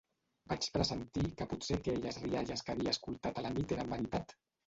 Vaig pressentir que potser aquelles rialles que havia escoltat a la nit eren veritat...